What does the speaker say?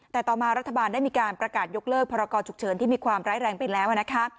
แต่ต่อมารัฐบาลได้มีการประกาศยกเลิกพรกรฉุกเฉินที่มีความร้ายแรงไปแล้วนะคะ